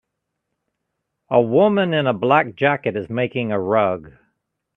A woman in a black jacket is making a rug